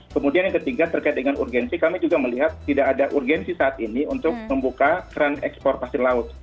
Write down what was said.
kemudian yang ketiga terkait dengan urgensi kami juga melihat tidak ada urgensi saat ini untuk membuka keran ekspor pasir laut